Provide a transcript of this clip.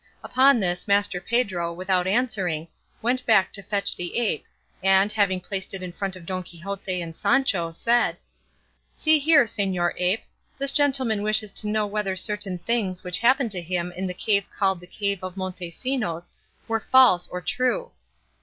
Upon this Master Pedro, without answering, went back to fetch the ape, and, having placed it in front of Don Quixote and Sancho, said: "See here, señor ape, this gentleman wishes to know whether certain things which happened to him in the cave called the cave of Montesinos were false or true."